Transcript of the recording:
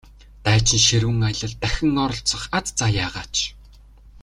Дайчин ширүүн аялалд дахин оролцох аз заяагаач!